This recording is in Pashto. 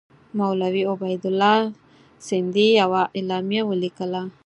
مولوي عبیدالله سندي یوه اعلامیه ولیکله.